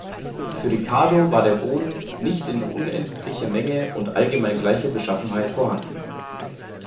Für Ricardo war der Boden „nicht in unendlicher Menge und allgemein gleicher Beschaffenheit vorhanden“.